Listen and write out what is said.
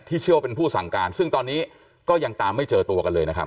เชื่อว่าเป็นผู้สั่งการซึ่งตอนนี้ก็ยังตามไม่เจอตัวกันเลยนะครับ